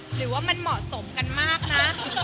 หรือว่ามันเหมาะสมกันมากนะ